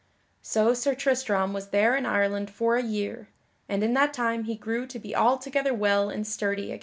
So Sir Tristram was there in Ireland for a year, and in that time he grew to be altogether well and sturdy again.